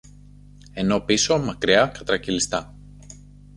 ενώ πίσω, μακριά, κατρακυλιστά